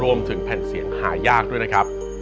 รวมถึงแผ่นเสียงหายากด้วยนะครับ